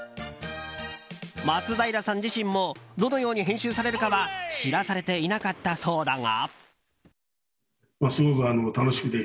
松平さん自身もどのように編集されるかは知らされていなかったそうだが。